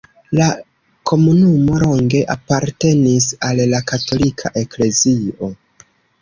La komunumo longe apartenis al la katolika eklezio.